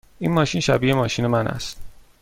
این ماشین شبیه ماشین من است.